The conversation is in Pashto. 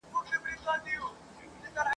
پر مزار مي زنګېدلی بیرغ غواړم !.